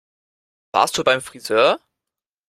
Warst du beim Frisör?